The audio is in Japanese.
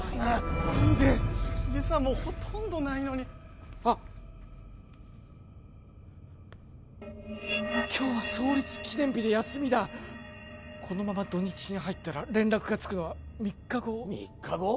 何で時差もほとんどないのにあっ今日は創立記念日で休みだこのまま土日に入ったら連絡がつくのは三日後三日後？